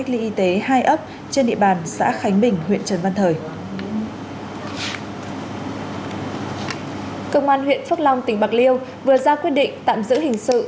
công an huyện phước long tỉnh bạc liêu vừa ra quyết định tạm giữ hình sự